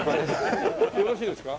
よろしいですか？